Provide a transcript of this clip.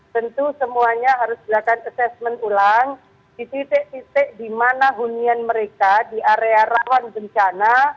tentu semuanya harus dilakukan assessment ulang di titik titik di mana hunian mereka di area rawan bencana